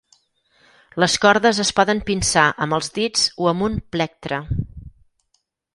Les cordes es poden pinçar amb els dits o amb un plectre.